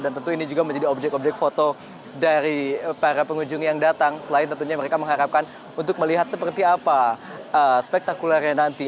dan tentu ini juga menjadi objek objek foto dari para pengunjung yang datang selain tentunya mereka mengharapkan untuk melihat seperti apa spektakulernya nanti